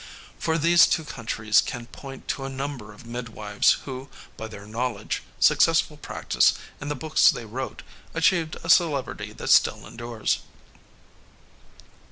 For these two countries can point to a number of midwives who, by their knowledge, successful practice, and the books they wrote, achieved a celebrity that still endures.